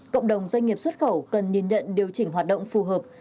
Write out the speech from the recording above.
cộng đồng doanh nghiệp xuất khẩu cần nhìn nhận điều chỉnh hoạt động phù hợp